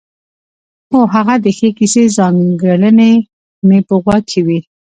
هو هغه د ښې کیسې ځانګړنې مې په غوږ کې وې.